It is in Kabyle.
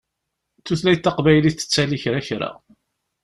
Tutlayt taqbaylit tettali kra kra.